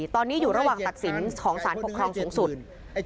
ตอนนี้อยู่ระหว่างตัดสินของสารปกครองสูงสุด